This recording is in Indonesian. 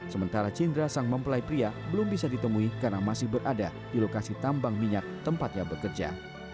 sementara cindra sang mempelai pria belum bisa ditemui karena masih berada di lokasi tambang minyak tempatnya bekerja